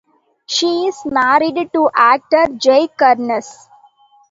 She is married to actor Jay Karnes.